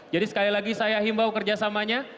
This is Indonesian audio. jadi sekali lagi saya himbau kerjasamanya